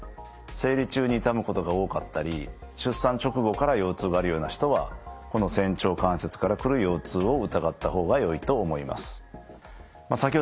生理中に痛むことが多かったり出産直後から腰痛があるような人はこの仙腸関節から来る腰痛を疑った方がよいと思います。